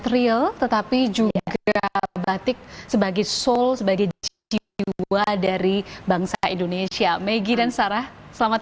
lebih keren tapi juga batik sebagai soul sebagai jiwa dari bangsa indonesia megi dan sarah selamat